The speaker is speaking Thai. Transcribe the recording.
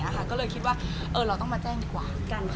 ก็เลยคิดว่าเราต้องมาแจ้งดีกว่า